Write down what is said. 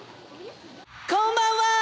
こんばんは！